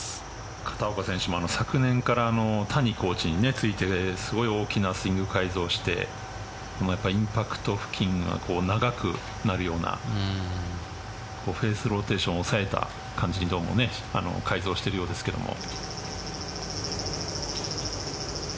片岡選手も昨年から谷コーチについてすごい大きなスイング改造をしてインパクト付近が長くなるようなフェースローテーションを抑えた感じに改造しているようですけども。